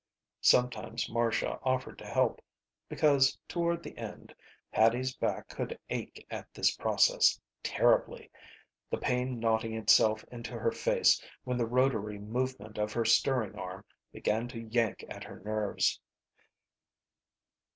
Sometimes Marcia offered to help, because toward the end, Hattie's back could ache at this process, terribly, the pain knotting itself into her face when the rotary movement of her stirring arm began to yank at her nerves.